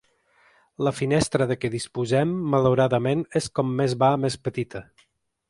La finestra de què disposem, malauradament, és com més va més petita.